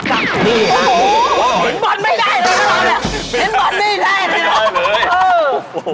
เป็นบอลไม่ได้เลย